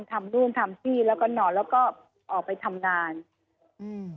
ทำนู่นทำที่แล้วก็นอนแล้วก็ออกไปทำงานอืม